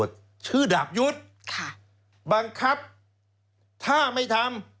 สอนดีกับโคแลต